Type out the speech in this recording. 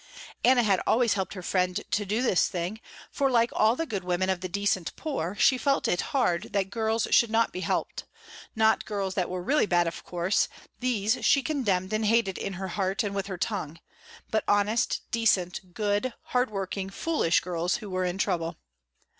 Anna had always helped her friend to do this thing, for like all the good women of the decent poor, she felt it hard that girls should not be helped, not girls that were really bad of course, these she condemned and hated in her heart and with her tongue, but honest, decent, good, hard working, foolish girls who were in trouble.